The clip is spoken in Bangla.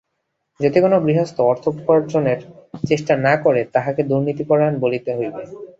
যদি কোন গৃহস্থ অর্থোপার্জনের চেষ্টা না করে, তাহাকে দুর্নীতিপরায়ণ বলিতে হইবে।